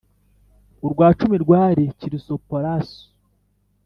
urwa cumi rwari kirusoparaso,